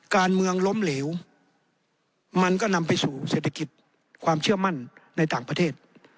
การเมืองล้มเหลวมันก็นำไปสู่เศรษฐกิจความเชื่อมั่นในต่างประเทศ